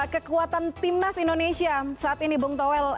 kekuatan timnas indonesia saat ini bung toel